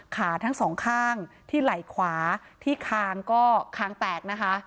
ขาทั้งสองข้างที่ไหล่ขวาที่คางก็คางแตกนะคะ